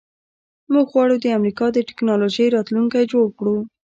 موږ غواړو د امریکا د ټیکنالوژۍ راتلونکی جوړ کړو